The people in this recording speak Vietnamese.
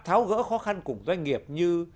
tháo gỡ khó khăn cùng doanh nghiệp như